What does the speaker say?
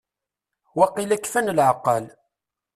Waqila kfan lɛeqqal.